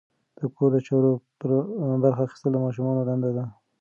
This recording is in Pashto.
د کور د چارو برخه اخیستل د ماشومانو دنده ده.